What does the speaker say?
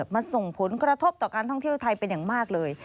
มาส่งผลกระทบต่อการท่องเที่ยวไทยเป็นอย่างมากเลย